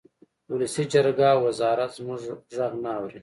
ولسي جرګه او وزارت زموږ غږ نه اوري